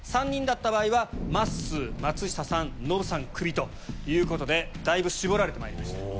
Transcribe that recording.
３人だった場合はまっすー松下さんノブさんがクビということでだいぶ絞られてまいりました。